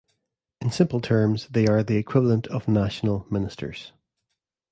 In simple terms they are the equivalent of national ministers.